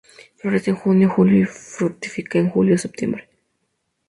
Florece en junio-julio y fructifica en julio-septiembre.